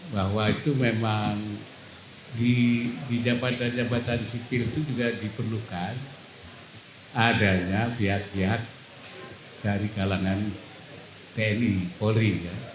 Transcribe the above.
bahwa itu memang di jabatan jabatan sipil itu juga diperlukan adanya pihak pihak dari kalangan tni polri